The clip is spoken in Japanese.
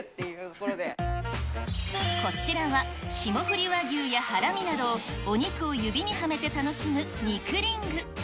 こちらは、霜降り和牛やハラミなど、お肉を指にはめて楽しむ肉リング。